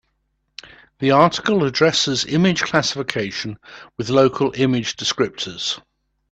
The article addresses image classification with local image descriptors.